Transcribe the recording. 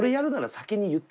先言って。